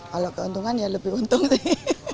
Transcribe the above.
kalau keuntungan ya lebih untung tadi